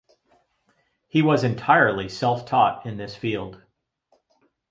He was entirely self-taught in this field.